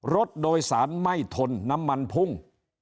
รถโดยสารไม่ทนน้ำมันพุ่ง